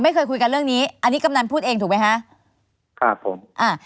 ไม่เคยคุยกันเรื่องนี้อันนี้กำนันพูดเองถูกไหมคะครับผมอ่า